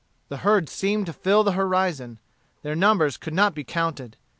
The herd seemed to fill the horizon. Their numbers could not be counted.